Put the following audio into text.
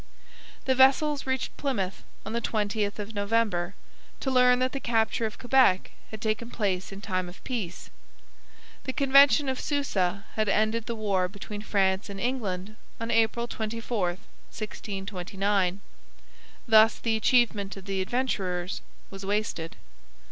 The vessels reached Plymouth on the 20th of November, to learn that the capture of Quebec had taken place in time of peace. The Convention of Susa had ended the war between France and England on April 24, 1629; thus the achievement of the Adventurers was wasted.